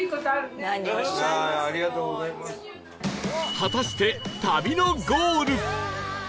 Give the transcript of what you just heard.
果たして旅のゴール